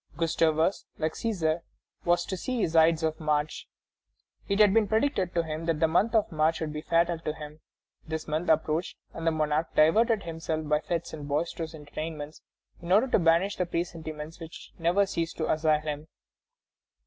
Gustavus, like Cæsar, was to see his Ides of March. It had been predicted to him that the month of March would be fatal to him. This month approached, and the monarch diverted himself by fêtes and boisterous entertainments in order to banish the presentiments which never ceased to assail him.